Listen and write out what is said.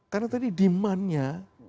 karena tadi demandnya